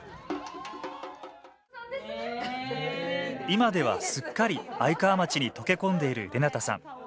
今ではすっかり愛川町に溶け込んでいるレナタさん。